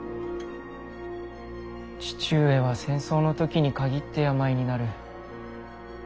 父上は戦争の時に限って病になる。